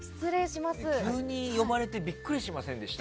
急に呼ばれてビックリしませんでした？